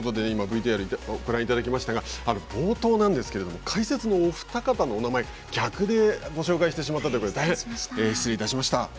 今ＶＴＲをご覧いただきましたが冒頭なんですけれども解説のお二方のお名前を逆でご紹介してしまいました。